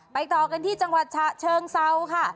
ต่อกันที่จังหวัดฉะเชิงเซาค่ะ